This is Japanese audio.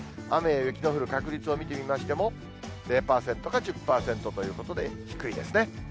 雨や雪の降る確率を見てみましても、０％か１０％ということで、低いですね。